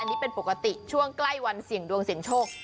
นี่เป็นปกติช่วงใกล้วันเสี่ยงดวงเสี่ยงโชค